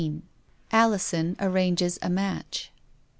ALISON ARRANGES A MATCH.